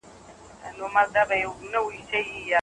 د مالي چارو شفافيت يې اړين باله.